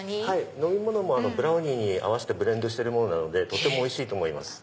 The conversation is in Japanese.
飲み物もブラウニーに合わせてブレンドしてるものなのでとてもおいしいと思います。